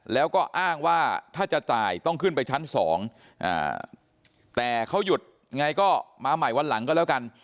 แล้วก็อ้างว่าถ้าจะจ่ายต้องขึ้นไปชั้น๒แต่เขาหยุดไงก็มาใหม่วันหลังก็แล้วกัน